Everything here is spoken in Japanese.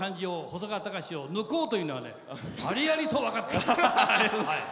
細川たかしを抜こうというのがありありと分かった！